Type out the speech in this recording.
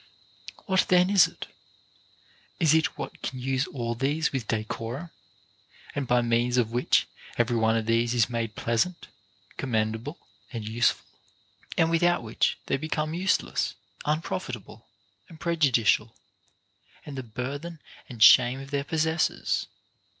What then is \t\ It is what can use all these with decorum, and by means of which every one of these is made pleasant, commendable, and useful, and without which they become useless, unprofitable, and prejudicial, and the burthen and shame of their possessors.